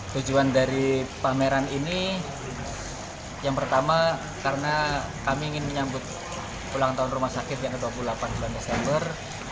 tujuan dari pameran ini yang pertama karena kami ingin menyambut ulang tahun rumah sakit yang ke dua puluh delapan sembilan desember